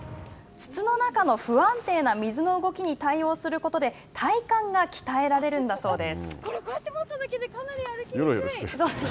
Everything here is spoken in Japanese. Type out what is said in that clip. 筒の中の不安定な水の動きに対応することで体幹が鍛えられるんだそうです。